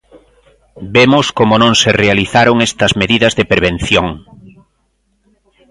Vemos como non se realizaron estas medidas de prevención.